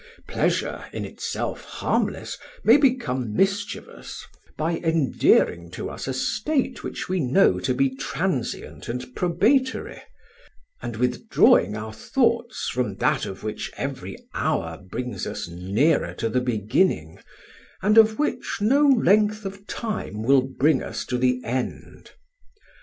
Pleasure in itself harmless may become mischievous by endearing to us a state which we know to be transient and probatory, and withdrawing our thoughts from that of which every hour brings us nearer to the beginning, and of which no length of time will bring us to the end.